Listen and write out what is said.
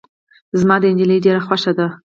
زما دا نجلی ډیره خوښه ده.